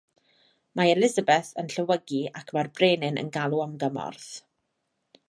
Mae Elisabeth yn llewygu ac mae'r brenin yn galw am gymorth.